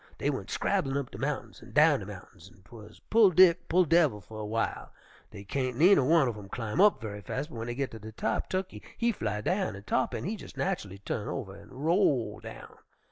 Dey went scrabblin' up de mountains an' down de mountains, an' 'twuz pull Dick, pull devil, fer a w'ile. Dey kain't neener one uv 'em climb up ve'y fas', but w'en dey git ter de top, Tukkey he fly down an' Tarr'pin he jes' natchully turn over an' roll down.